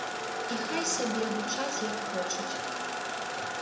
І хай сабе гучаць як хочуць.